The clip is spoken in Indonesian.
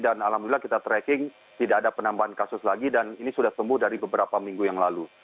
dan alhamdulillah kita tracking tidak ada penambahan kasus lagi dan ini sudah sembuh dari beberapa minggu yang lalu